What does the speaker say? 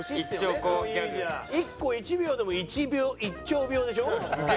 １個１秒でも１兆秒でしょ？